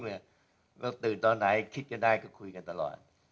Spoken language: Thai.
เราตื่นตอนไหนคิดจะได้ก็คุยกันตลอด